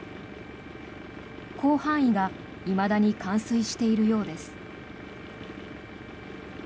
広範囲がいまだに冠水しているようです。